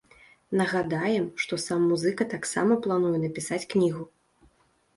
Нагадаем, што сам музыка таксама плануе напісаць кнігу.